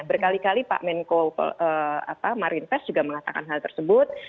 berkali kali pak menko marinves juga mengatakan hal tersebut